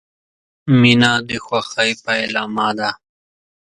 • مینه د خوښۍ پیلامه ده.